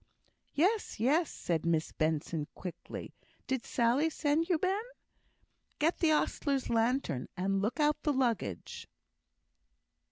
"Yes, yes!" said Miss Benson, quickly. "Did Sally send you, Ben? Get the ostler's lantern, and look out the luggage."